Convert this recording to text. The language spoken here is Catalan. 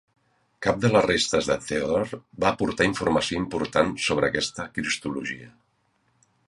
Cap de les restes de Theodore va aportar informació important sobre aquesta cristologia.